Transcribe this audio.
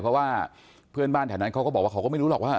เพราะว่าเพื่อนบ้านแถวนั้นเขาก็บอกว่าเขาก็ไม่รู้หรอกว่า